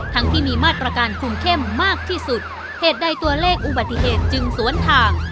ทั้งที่มีมาตรการคุมเข้มมากที่สุดเหตุใดตัวเลขอุบัติเหตุจึงสวนทาง